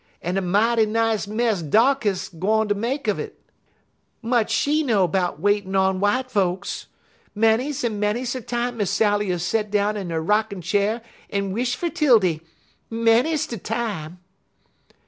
En a mighty nice mess Darkess gwine ter make un it! Much she know 'bout waitin' on w'ite folks! Many's en many's de time Miss Sally'll set down in 'er rockin' cheer en wish fer 'Tildy many's de time."